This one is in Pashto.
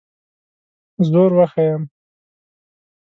زور وښیم.